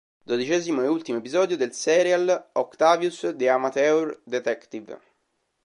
Dodicesimo e ultimo episodio del serial "Octavius, the Amateur Detective".